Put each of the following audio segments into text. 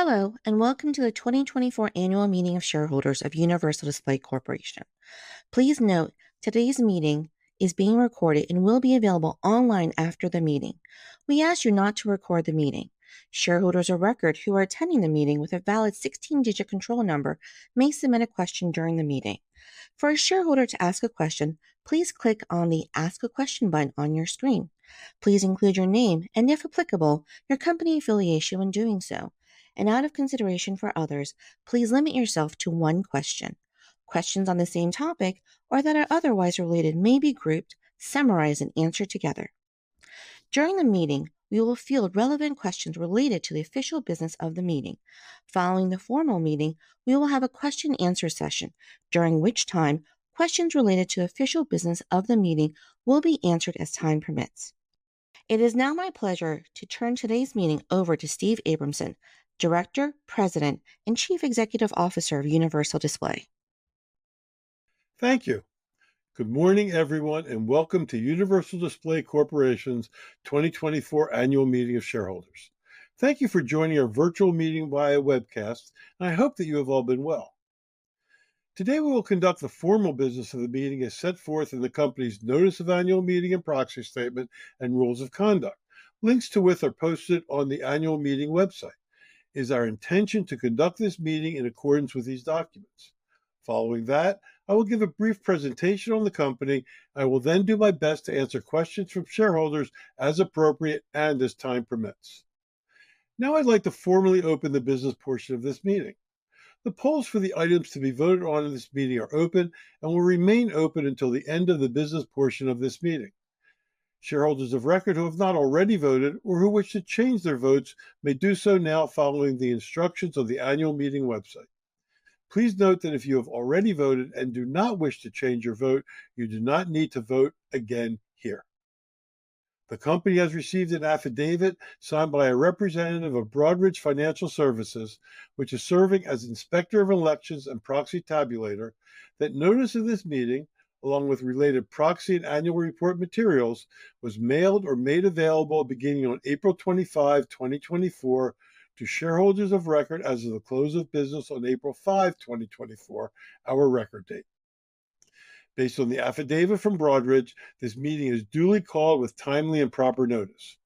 Hello, and welcome to the 2024 Annual Meeting of Shareholders of Universal Display Corporation. Please note, today's meeting is being recorded and will be available online after the meeting. We ask you not to record the meeting. Shareholders who are attending the meeting with a valid 16-digit control number may submit a question during the meeting. For a shareholder to ask a question, please click on the "Ask a Question" button on your screen. Please include your name and, if applicable, your company affiliation when doing so. Out of consideration for others, please limit yourself to one question. Questions on the same topic or that are otherwise related may be grouped, summarized, and answered together. During the meeting, we will field relevant questions related to the official business of the meeting. Following the formal meeting, we will have a question-and-answer session, during which time questions related to the official business of the meeting will be answered as time permits. It is now my pleasure to turn today's meeting over to Steven Abramson, Director, President, and Chief Executive Officer of Universal Display. Thank you. Good morning, everyone, and welcome to Universal Display Corporation's 2024 Annual Meeting of Shareholders. Thank you for joining our virtual meeting via webcast, and I hope that you have all been well. Today, we will conduct the formal business of the meeting as set forth in the company's Notice of Annual Meeting and Proxy Statement and Rules of Conduct. Links to which are posted on the Annual Meeting website. It is our intention to conduct this meeting in accordance with these documents. Following that, I will give a brief presentation on the company, and I will then do my best to answer questions from shareholders as appropriate and as time permits. Now, I'd like to formally open the business portion of this meeting. The polls for the items to be voted on in this meeting are open and will remain open until the end of the business portion of this meeting. Shareholders of record who have not already voted or who wish to change their votes may do so now following the instructions of the Annual Meeting website. Please note that if you have already voted and do not wish to change your vote, you do not need to vote again here. The company has received an affidavit signed by a representative of Broadridge Financial Solutions, which is serving as Inspector of Elections and Proxy Tabulator, that the Notice of this Meeting, along with related proxy and annual report materials, was mailed or made available beginning on April 25, 2024, to shareholders of record as of the close of business on April 5, 2024, our record date. Based on the affidavit from Broadridge, this meeting is duly called with timely and proper notice.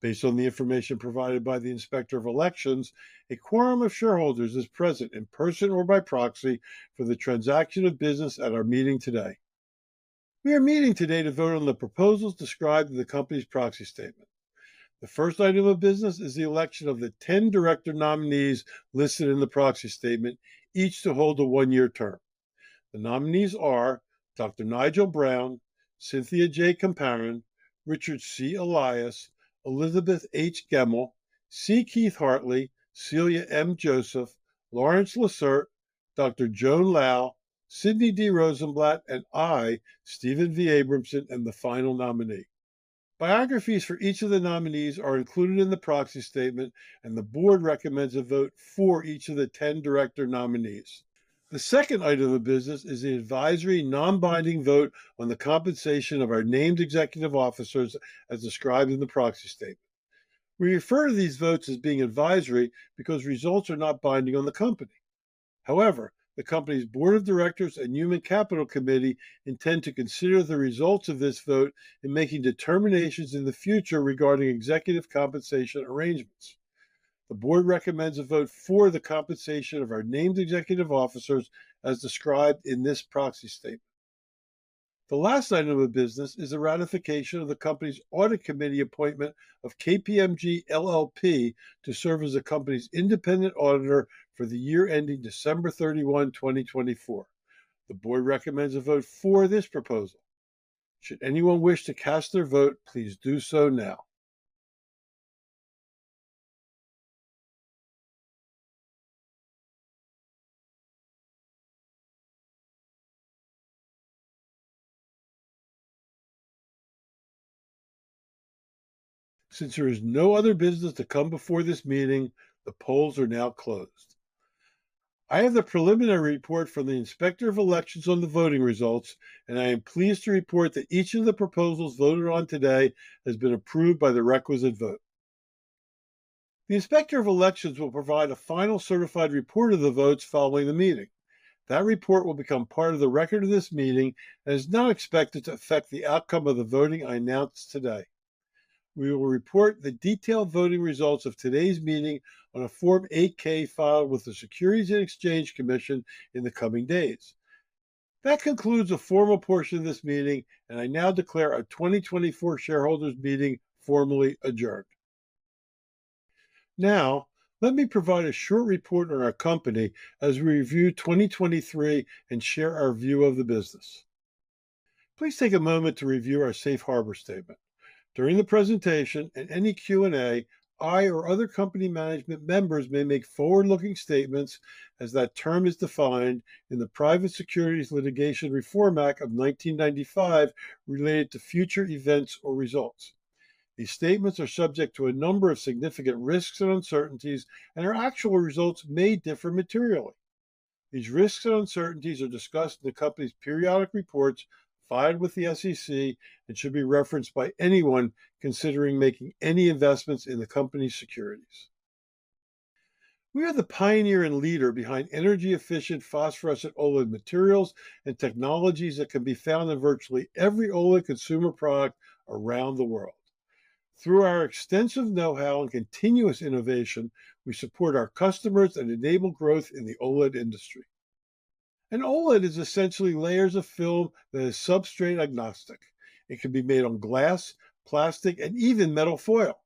Based on the information provided by the Inspector of Elections, a quorum of shareholders is present in person or by proxy for the transaction of business at our meeting today. We are meeting today to vote on the proposals described in the company's proxy statement. The first item of business is the election of the 10 director nominees listed in the proxy statement, each to hold a one-year term. The nominees are Dr. Nigel Brown, Cynthia J. Comparan, Richard C. Elias, Elizabeth H. Gemmill, C. Keith Hartley, Celia M. Joseph, Lawrence Lacerte, Dr. Joan Lau, Sidney D. Rosenblatt, and I, Steven V. Abramson, and the final nominee. Biographies for each of the nominees are included in the proxy statement, and the board recommends a vote for each of the 10 director nominees. The second item of business is the advisory, non-binding vote on the compensation of our named executive officers as described in the proxy statement. We refer to these votes as being advisory because results are not binding on the company. However, the company's Board of Directors and Human Capital Committee intend to consider the results of this vote in making determinations in the future regarding executive compensation arrangements. The board recommends a vote for the compensation of our named executive officers as described in this proxy statement. The last item of business is the ratification of the company's audit committee appointment of KPMG LLP to serve as the company's independent auditor for the year ending December 31, 2024. The board recommends a vote for this proposal. Should anyone wish to cast their vote, please do so now. Since there is no other business to come before this meeting, the polls are now closed. I have the preliminary report from the Inspector of Elections on the voting results, and I am pleased to report that each of the proposals voted on today has been approved by the requisite vote. The Inspector of Elections will provide a final certified report of the votes following the meeting. That report will become part of the record of this meeting and is not expected to affect the outcome of the voting I announced today. We will report the detailed voting results of today's meeting on a Form 8-K filed with the Securities and Exchange Commission in the coming days. That concludes the formal portion of this meeting, and I now declare our 2024 shareholders' meeting formally adjourned. Now, let me provide a short report on our company as we review 2023 and share our view of the business. Please take a moment to review our Safe Harbor Statement. During the presentation and any Q&A, I or other company management members may make forward-looking statements as that term is defined in the Private Securities Litigation Reform Act of 1995 related to future events or results. These statements are subject to a number of significant risks and uncertainties, and our actual results may differ materially. These risks and uncertainties are discussed in the company's periodic reports filed with the SEC and should be referenced by anyone considering making any investments in the company's securities. We are the pioneer and leader behind energy-efficient phosphorescent OLED materials and technologies that can be found in virtually every OLED consumer product around the world. Through our extensive know-how and continuous innovation, we support our customers and enable growth in the OLED industry. An OLED is essentially layers of film that is substrate-agnostic. It can be made on glass, plastic, and even metal foil.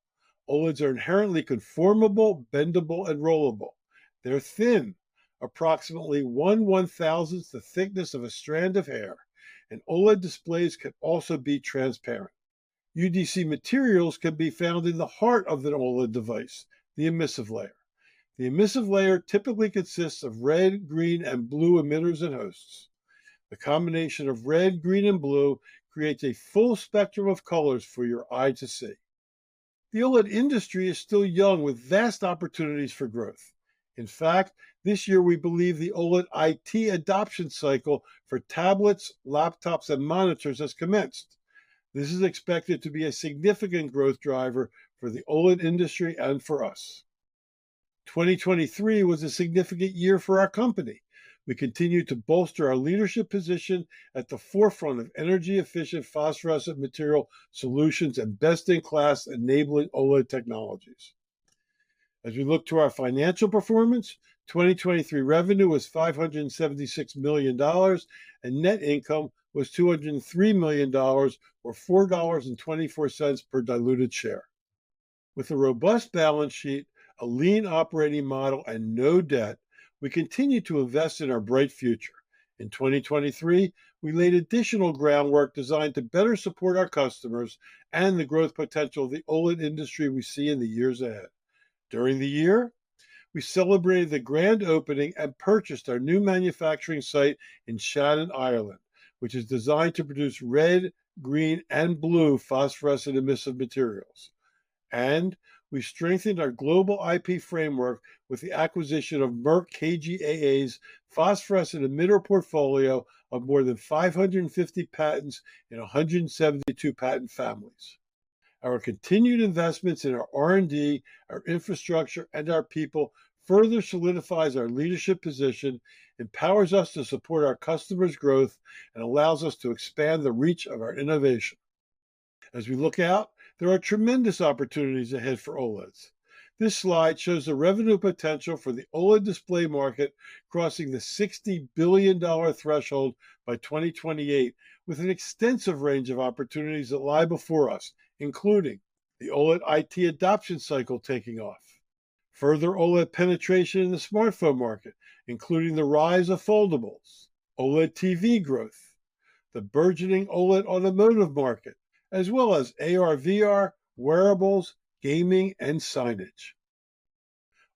OLEDs are inherently conformable, bendable, and rollable. They're thin, approximately 1/1,000th the thickness of a strand of hair, and OLED displays can also be transparent. UDC materials can be found in the heart of the OLED device, the emissive layer. The emissive layer typically consists of red, green, and blue emitters and hosts. The combination of red, green, and blue creates a full spectrum of colors for your eye to see. The OLED industry is still young, with vast opportunities for growth. In fact, this year we believe the OLED IT adoption cycle for tablets, laptops, and monitors has commenced. This is expected to be a significant growth driver for the OLED industry and for us. 2023 was a significant year for our company. We continue to bolster our leadership position at the forefront of energy-efficient phosphorescent material solutions and best-in-class enabling OLED technologies. As we look to our financial performance, 2023 revenue was $576 million, and net income was $203 million, or $4.24 per diluted share. With a robust balance sheet, a lean operating model, and no debt, we continue to invest in our bright future. In 2023, we laid additional groundwork designed to better support our customers and the growth potential of the OLED industry we see in the years ahead. During the year, we celebrated the grand opening and purchased our new manufacturing site in Shannon, Ireland, which is designed to produce red, green, and blue phosphorescent emissive materials. We strengthened our global IP framework with the acquisition of Merck KGaA's phosphorescent emitter portfolio of more than 550 patents in 172 patent families. Our continued investments in our R&D, our infrastructure, and our people further solidify our leadership position, empowers us to support our customers' growth, and allows us to expand the reach of our innovation. As we look out, there are tremendous opportunities ahead for OLEDs. This slide shows the revenue potential for the OLED display market crossing the $60 billion threshold by 2028, with an extensive range of opportunities that lie before us, including the OLED IT adoption cycle taking off, further OLED penetration in the smartphone market, including the rise of foldables, OLED TV growth, the burgeoning OLED automotive market, as well as AR/VR, wearables, gaming, and signage.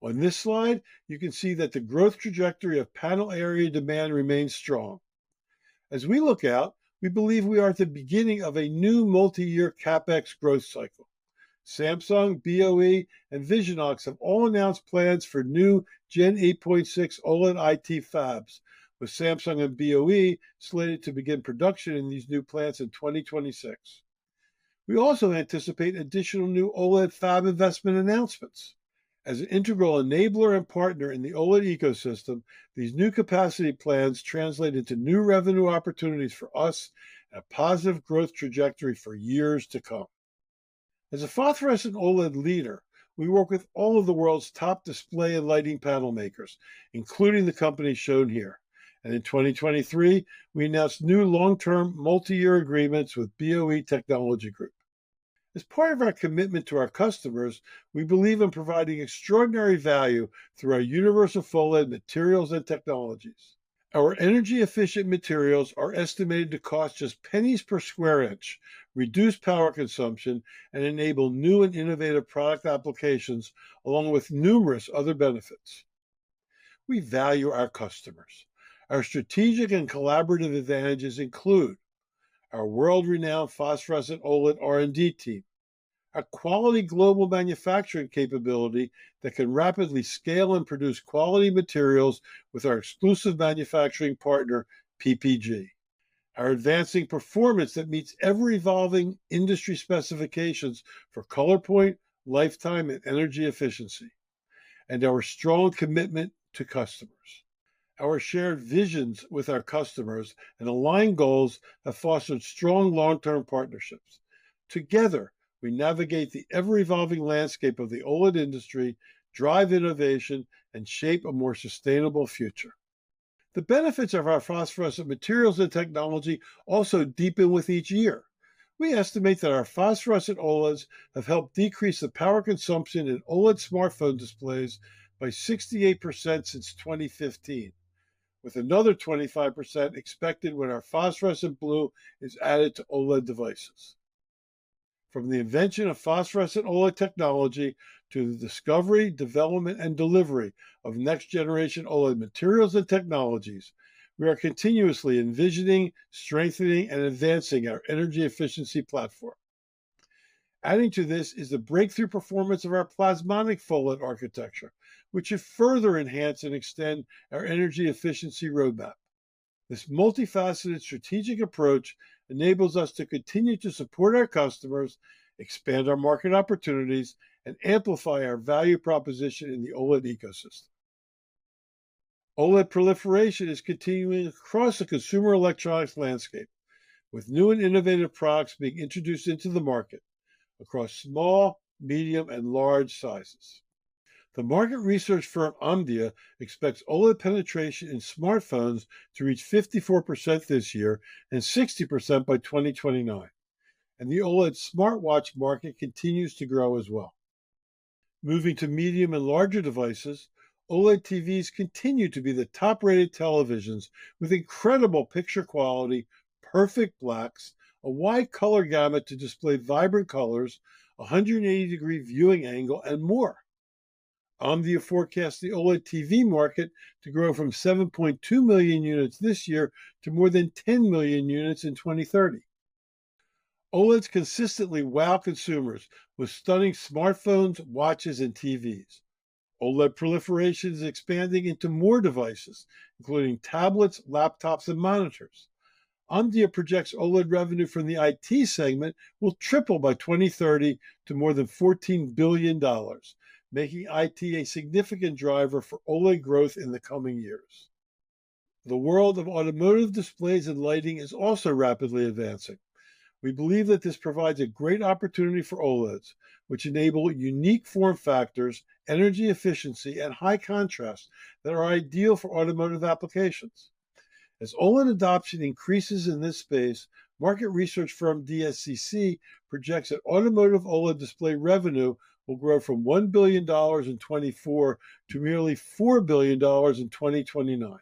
On this slide, you can see that the growth trajectory of panel area demand remains strong. As we look out, we believe we are at the beginning of a new multi-year CapEx growth cycle. Samsung, BOE, and Visionox have all announced plans for new 8.6-gen OLED IT fabs, with Samsung and BOE slated to begin production in these new plants in 2026. We also anticipate additional new OLED fab investment announcements. As an integral enabler and partner in the OLED ecosystem, these new capacity plans translate into new revenue opportunities for us and a positive growth trajectory for years to come. As a phosphorescent OLED leader, we work with all of the world's top display and lighting panel makers, including the company shown here. In 2023, we announced new long-term multi-year agreements with BOE Technology Group. As part of our commitment to our customers, we believe in providing extraordinary value through our UniversalPHOLED materials and technologies. Our energy-efficient materials are estimated to cost just pennies per square inch, reduce power consumption, and enable new and innovative product applications, along with numerous other benefits. We value our customers. Our strategic and collaborative advantages include our world-renowned phosphorescent OLED R&D team, our quality global manufacturing capability that can rapidly scale and produce quality materials with our exclusive manufacturing partner, PPG, our advancing performance that meets ever-evolving industry specifications for color point, lifetime, and energy efficiency, and our strong commitment to customers. Our shared visions with our customers and aligned goals have fostered strong long-term partnerships. Together, we navigate the ever-evolving landscape of the OLED industry, drive innovation, and shape a more sustainable future. The benefits of our phosphorescent materials and technology also deepen with each year. We estimate that our phosphorescent OLEDs have helped decrease the power consumption in OLED smartphone displays by 68% since 2015, with another 25% expected when our phosphorescent blue is added to OLED devices. From the invention of phosphorescent OLED technology to the discovery, development, and delivery of next-generation OLED materials and technologies, we are continuously envisioning, strengthening, and advancing our energy efficiency platform. Adding to this is the breakthrough performance of our Plasmonic PHOLED architecture, which should further enhance and extend our energy efficiency roadmap. This multifaceted strategic approach enables us to continue to support our customers, expand our market opportunities, and amplify our value proposition in the OLED ecosystem. OLED proliferation is continuing across the consumer electronics landscape, with new and innovative products being introduced into the market across small, medium, and large sizes. The market research firm Omdia expects OLED penetration in smartphones to reach 54% this year and 60% by 2029. The OLED smartwatch market continues to grow as well. Moving to medium and larger devices, OLED TVs continue to be the top-rated televisions with incredible picture quality, perfect blacks, a wide color gamut to display vibrant colors, a 180-degree viewing angle, and more. Omdia forecasts the OLED TV market to grow from 7.2 million units this year to more than 10 million units in 2030. OLEDs consistently wow consumers with stunning smartphones, watches, and TVs. OLED proliferation is expanding into more devices, including tablets, laptops, and monitors. Omdia projects OLED revenue from the IT segment will triple by 2030 to more than $14 billion, making IT a significant driver for OLED growth in the coming years. The world of automotive displays and lighting is also rapidly advancing. We believe that this provides a great opportunity for OLEDs, which enable unique form factors, energy efficiency, and high contrast that are ideal for automotive applications. As OLED adoption increases in this space, market research firm DSCC projects that automotive OLED display revenue will grow from $1 billion in 2024 to merely $4 billion in 2029.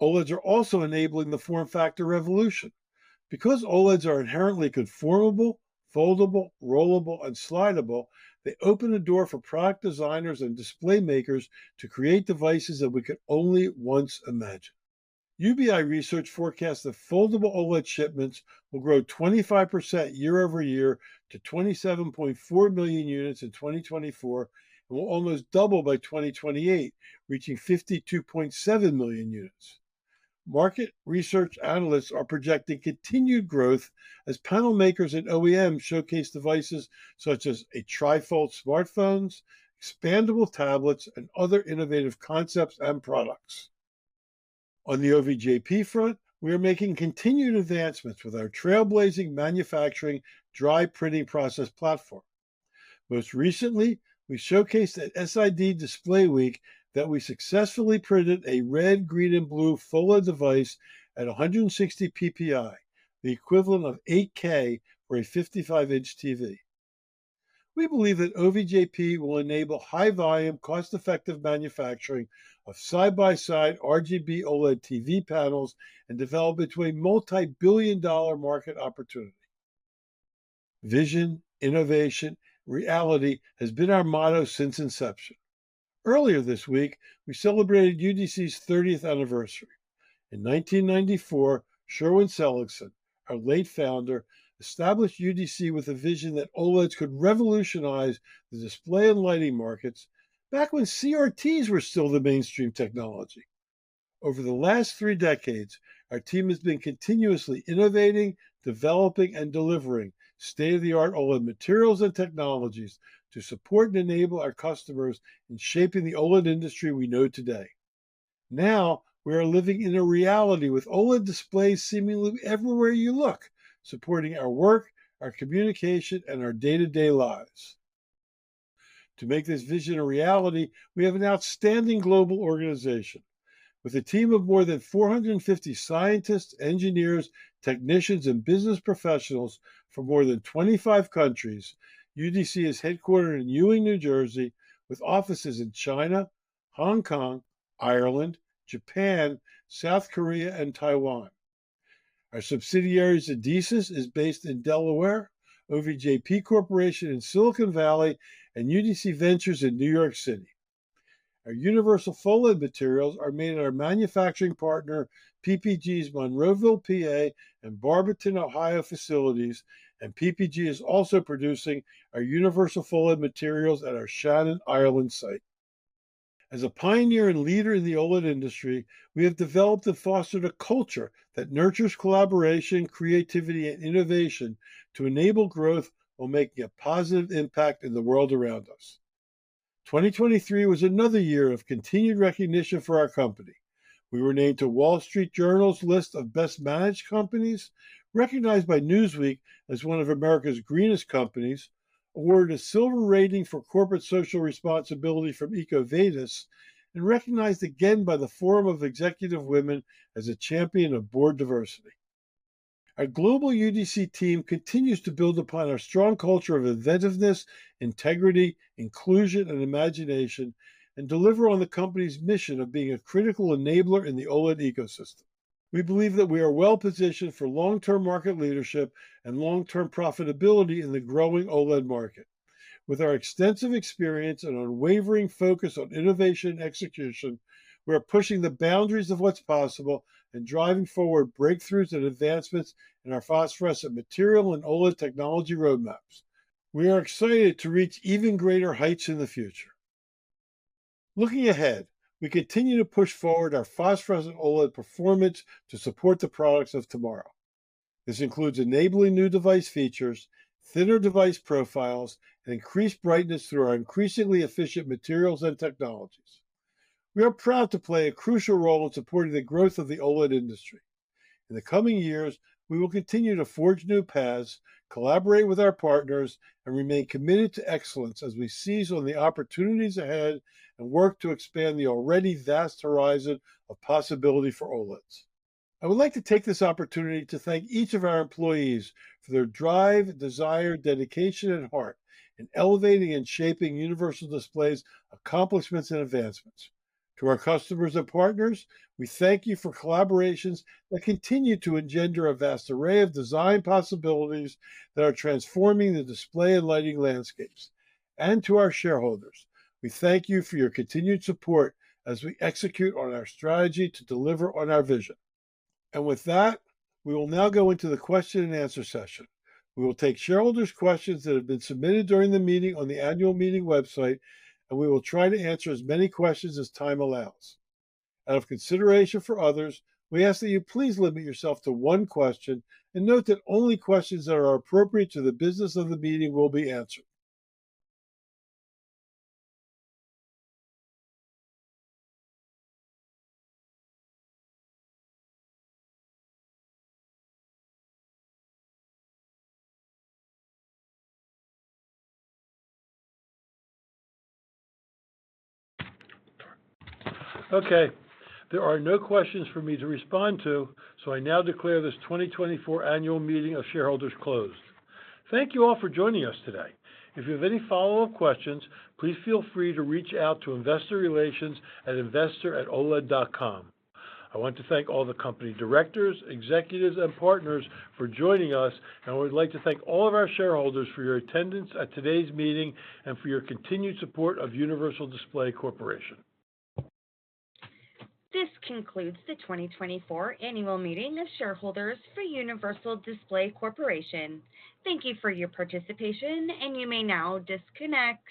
OLEDs are also enabling the form factor revolution. Because OLEDs are inherently conformable, foldable, rollable, and slidable, they open a door for product designers and display makers to create devices that we could only once imagine. UBI Research forecasts that foldable OLED shipments will grow 25% year over year to 27.4 million units in 2024 and will almost double by 2028, reaching 52.7 million units. Market research analysts are projecting continued growth as panel makers and OEMs showcase devices such as tri-fold smartphones, expandable tablets, and other innovative concepts and products. On the OVJP front, we are making continued advancements with our trailblazing manufacturing dry printing process platform. Most recently, we showcased at SID Display Week that we successfully printed a red, green, and blue PHOLED device at 160 PPI, the equivalent of 8K for a 55-in TV. We believe that OVJP will enable high-volume, cost-effective manufacturing of side-by-side RGB OLED TV panels and develop a multi-billion-dollar market opportunity. Vision, innovation, reality has been our motto since inception. Earlier this week, we celebrated UDC's 30th anniversary. In 1994, Sherwin Seligson, our late founder, established UDC with a vision that OLEDs could revolutionize the display and lighting markets back when CRTs were still the mainstream technology. Over the last three decades, our team has been continuously innovating, developing, and delivering state-of-the-art OLED materials and technologies to support and enable our customers in shaping the OLED industry we know today. Now, we are living in a reality with OLED displays seemingly everywhere you look, supporting our work, our communication, and our day-to-day lives. To make this vision a reality, we have an outstanding global organization. With a team of more than 450 scientists, engineers, technicians, and business professionals from more than 25 countries, UDC is headquartered in Ewing, New Jersey, with offices in China, Hong Kong, Ireland, Japan, South Korea, and Taiwan. Our subsidiary Adesis is based in Delaware, OVJP Corporation in Silicon Valley, and UDC Ventures in New York City. Our UniversalPHOLED materials are made at our manufacturing partner PPG's Monroeville, Pennsylvania, and Barberton, Ohio, facilities, and PPG is also producing our UniversalPHOLED materials at our Shannon, Ireland site. As a pioneer and leader in the OLED industry, we have developed and fostered a culture that nurtures collaboration, creativity, and innovation to enable growth while making a positive impact in the world around us. 2023 was another year of continued recognition for our company. We were named to The Wall Street Journal's list of Best Managed Companies, recognized by Newsweek as one of America's Greenest Companies, awarded a silver rating for corporate social responsibility from EcoVadis, and recognized again by the Forum of Executive Women as a champion of board diversity. Our global UDC team continues to build upon our strong culture of inventiveness, integrity, inclusion, and imagination, and deliver on the company's mission of being a critical enabler in the OLED ecosystem. We believe that we are well-positioned for long-term market leadership and long-term profitability in the growing OLED market. With our extensive experience and unwavering focus on innovation and execution, we are pushing the boundaries of what's possible and driving forward breakthroughs and advancements in our phosphorescent material and OLED technology roadmaps. We are excited to reach even greater heights in the future. Looking ahead, we continue to push forward our phosphorescent OLED performance to support the products of tomorrow. This includes enabling new device features, thinner device profiles, and increased brightness through our increasingly efficient materials and technologies. We are proud to play a crucial role in supporting the growth of the OLED industry. In the coming years, we will continue to forge new paths, collaborate with our partners, and remain committed to excellence as we seize on the opportunities ahead and work to expand the already vast horizon of possibility for OLEDs. I would like to take this opportunity to thank each of our employees for their drive, desire, dedication, and heart in elevating and shaping Universal Display's accomplishments and advancements. To our customers and partners, we thank you for collaborations that continue to engender a vast array of design possibilities that are transforming the display and lighting landscapes. And to our shareholders, we thank you for your continued support as we execute on our strategy to deliver on our vision. With that, we will now go into the question and answer session. We will take shareholders' questions that have been submitted during the meeting on the annual meeting website, and we will try to answer as many questions as time allows. Out of consideration for others, we ask that you please limit yourself to one question and note that only questions that are appropriate to the business of the meeting will be answered. Okay, there are no questions for me to respond to, so I now declare this 2024 annual meeting of shareholders closed. Thank you all for joining us today. If you have any follow-up questions, please feel free to reach out to investor relations at investor@oled.com. I want to thank all the company directors, executives, and partners for joining us, and I would like to thank all of our shareholders for your attendance at today's meeting and for your continued support of Universal Display Corporation. This concludes the 2024 annual meeting of shareholders for Universal Display Corporation. Thank you for your participation, and you may now disconnect.